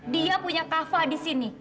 dia punya kava disini